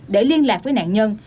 để liên lạc với nạn nhân